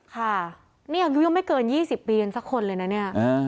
ค่ะนี่ยังไม่เกิน๒๐ปีสักคนเลยนะ